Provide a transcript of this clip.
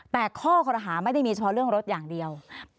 แต่ข้อคอรหาไม่ได้มีเฉพาะเรื่องรถอย่างเดียว